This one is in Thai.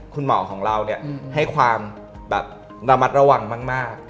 คุณหมอของเราให้ความระมัดระวังมาก